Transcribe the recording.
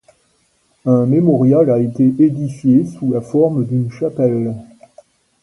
Un mémorial a été édifié sous la forme d'une chapelle.